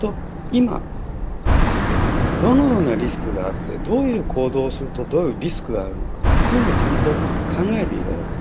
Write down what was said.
今、どのようなリスクがあって、どういう行動をするとどういうリスクがあるのかというのを考えていただく。